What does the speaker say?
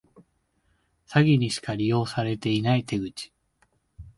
詐欺にしか利用されてない手口